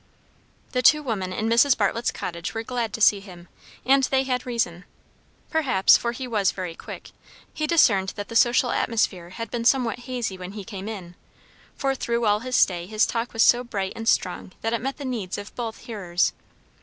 The two women in Mrs. Bartlett's cottage were glad to see him; and they had reason. Perhaps, for he was very quick, he discerned that the social atmosphere had been somewhat hazy when he came in; for through all his stay his talk was so bright and strong that it met the needs of both hearers.